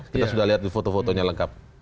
kita sudah lihat di foto fotonya lengkap